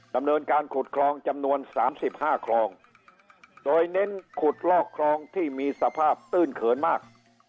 ดำเนินการขุดคลองจำนวน๓๕คลองโดยเน้นขุดลอกคลองที่มีสภาพตื้นเขินมาก